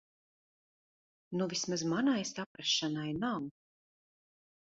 Nu vismaz manai saprašanai nav.